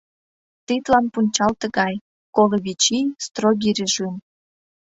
Тидлан пунчал тыгай: коло вич ий, строгий режим.